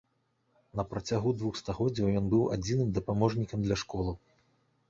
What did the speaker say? На працягу двух стагоддзяў ён быў адзіным дапаможнікам для школаў.